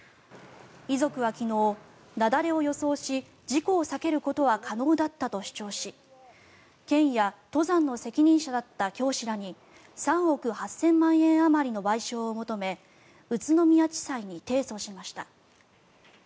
遺族は昨日、雪崩を予想し事故を避けることは可能だったと主張し県や登山の責任者だった教師らに３億８０００万円あまりの賠償を求め宇都宮地裁に提訴しました。